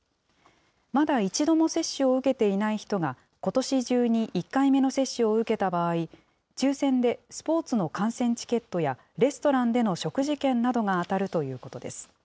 まだ一度も接種を受けていない人がことし中に１回目の接種を受けた場合、抽せんでスポーツの観戦チケットやレストランでの食事券などが当たるということです。